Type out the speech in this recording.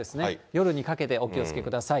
夜にかけてお気をつけください。